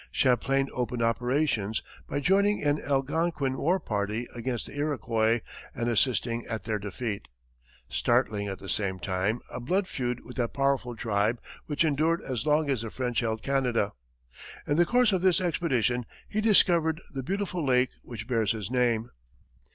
Champlain opened operations by joining an Algonquin war party against the Iroquois, and assisting at their defeat starting, at the same time, a blood feud with that powerful tribe which endured as long as the French held Canada. In the course of this expedition, he discovered the beautiful lake which bears his name.